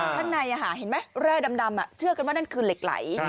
ข้างในเห็นไหมแร่ดำเชื่อกันว่านั่นคือเหล็กไหล